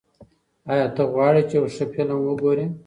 ایا ته غواړې چې یو ښه فلم وګورې؟